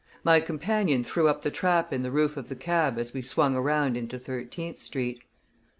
My companion threw up the trap in the roof of the cab as we swung around into Thirteenth Street.